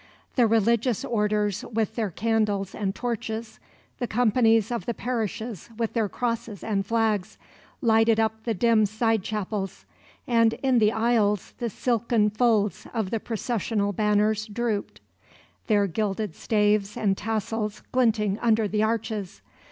The religious orders with their candles and torches, the companies of the parishes with their crosses and flags, lighted up the dim side chapels; and in the aisles the silken folds of the processional banners drooped, their gilded staves and tassels glinting under the arches.